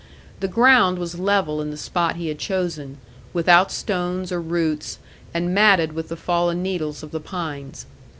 The ground was level in the spot he had chosen, without stones or roots, and matted with the fallen needles of the pines.